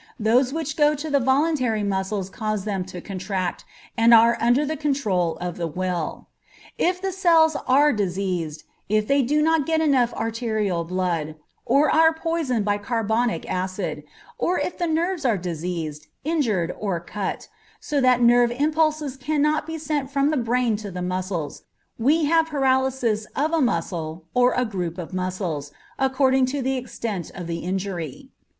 Those which go to the voluntary muscles cause them to contract, and are under the control of the will. If the cells are diseased, if they do not get enough arterial blood, or are poisoned by carbonic acid, or if the nerves are diseased, injured, or cut, so that nerve impulses cannot be sent from the brain to the muscles, we have paralysis of a muscle or a group of muscles, according to the extent of the injury.